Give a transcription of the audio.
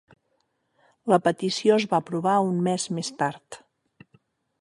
La petició es va aprovar un mes més tard.